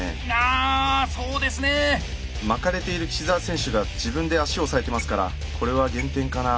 あそうですね。巻かれている岸澤選手が自分で足押さえてますからこれは減点かな。